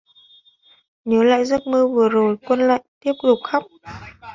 Nhớ lại giấc mơ vừa rồi Quân lại tiếp tục khóc